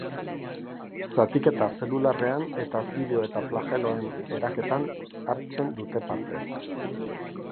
Zatiketa zelularrean eta zilio eta flageloen eraketan hartzen dute parte.